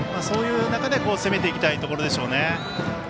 そういう中で攻めていきたいところでしょうね。